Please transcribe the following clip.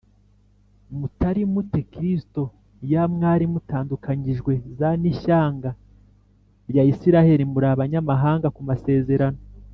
mutari mu te Kristo y Mwari mutandukanyijwe z n ishyanga rya Isirayeli muri abanyamahanga ku masezerano